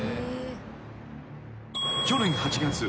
［去年８月。